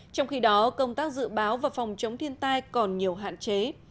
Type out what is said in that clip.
trong khi đó công tác dự báo và phòng chống thiên tai còn nhiều hạn chế